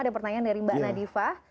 ada pertanyaan dari mbak nadifah